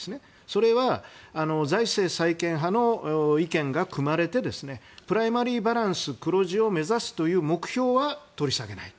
それは、財政再建派の意見がくまれてプライマリーバランスの黒字を目指すという目標は取り下げない。